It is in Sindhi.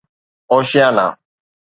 اوشيانا